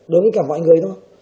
đối với cả mọi người thôi